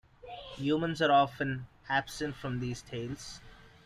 Humans are often absent from these tales.